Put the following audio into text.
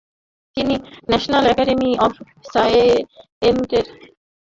তিনি national academy of সায়েন্সের প্রতিনিধিদের সাথে হোয়াইট হাউসে গিয়েছিলেন।